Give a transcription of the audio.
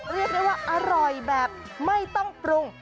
เรียกได้ว่าอร่อยแบบไม่ต้องปรุง